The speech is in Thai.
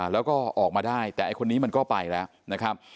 แล้วก็ออกมาได้แต่ไอ้คนนี้มันก็ไปแล้วนะครับ